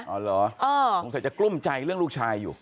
อ๋อเหรอเอ่อคงใส่จะกลุ้มใจเรื่องลูกชายอยู่